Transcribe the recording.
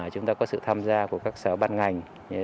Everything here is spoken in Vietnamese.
chúng ta có sự tham gia của các sở ban ngành